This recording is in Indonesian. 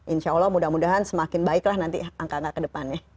insya allah mudah mudahan semakin baiklah nanti angka angka ke depannya